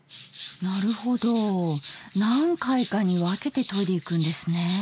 なるほど何回かに分けて研いでいくんですね。